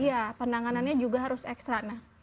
iya penanganannya juga harus ekstra